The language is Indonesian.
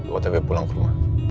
waktu itu pulang ke rumah